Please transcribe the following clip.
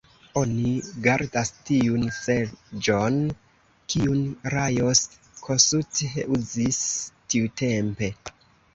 Oni gardas tiun seĝon, kiun Lajos Kossuth uzis tiutempe.